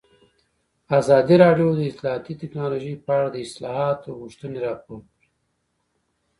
ازادي راډیو د اطلاعاتی تکنالوژي په اړه د اصلاحاتو غوښتنې راپور کړې.